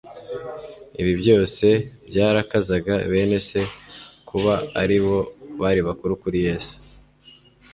Ibi byose byarakazaga bene se. Kuba aribo bari bakuru kuri Yesu,